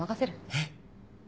えっ！？